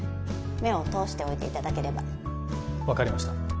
目を通しておいていただければ分かりました